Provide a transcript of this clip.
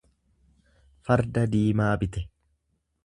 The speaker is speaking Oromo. farda diimaa bite.